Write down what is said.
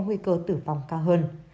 nguy cơ tử vong cao hơn